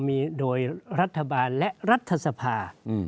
มีโดยรัฐบาลและรัฐสภา